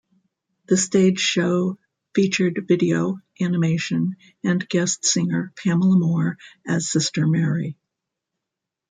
The stage show featured video, animation and guest singer Pamela Moore as Sister Mary.